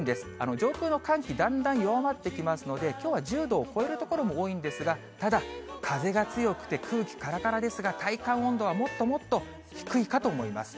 上空の寒気、だんだん弱まってきますので、きょうは１０度を超える所も多いんですが、ただ、風が強くて空気からからですが、体感温度はもっともっと低いかと思います。